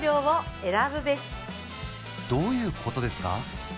どういうことですか？